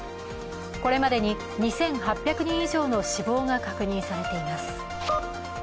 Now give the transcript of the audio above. これまでに２８００人以上の死亡が確認されています。